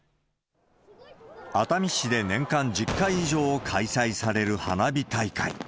熱海市で年間１０回以上開催される花火大会。